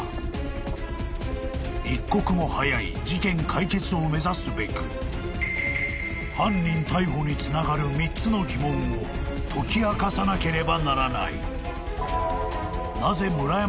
［一刻も早い事件解決を目指すべく犯人逮捕につながる３つの疑問を解き明かさなければならない］